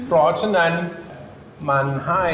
เพราะฉะนั้นมันให้